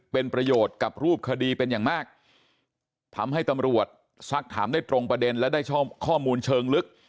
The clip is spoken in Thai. เป็นประโยชน์กับรูปคดีเป็นอย่างมากทำให้ตำรวจสักถามได้ตรงประเด็นและได้ข้อมูลเชิงลึก